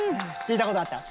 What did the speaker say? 聞いたことあった？